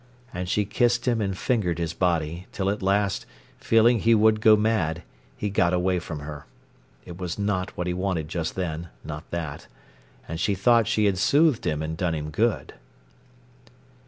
And she kissed him and fingered his body, till at last, feeling he would go mad, he got away from her. It was not what he wanted just then—not that. And she thought she had soothed him and done him good.